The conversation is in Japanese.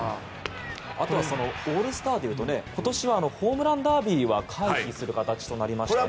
あとはオールスターでいうと今年はホームランダービーは回避する形となりまして。